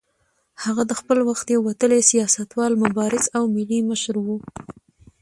هغه د خپل وخت یو وتلی سیاستوال، مبارز او ملي مشر و.